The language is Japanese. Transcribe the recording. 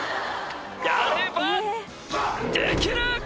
やればできる！